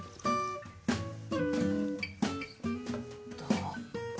どう？